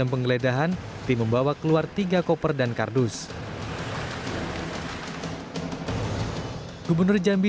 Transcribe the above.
menerima hadiah atau janji terkait proyek proyek di provinsi jambi